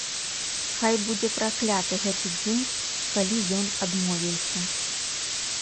Хай будзе пракляты гэты дзень, калі ён адмовіўся.